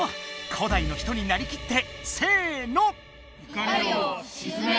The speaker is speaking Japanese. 古代の人になりきってせの！